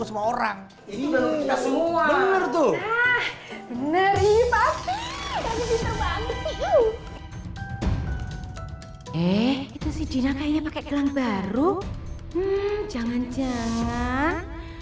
semua orang itu bener bener tuh bener itu sih jika kayaknya pakai kelang baru jangan jangan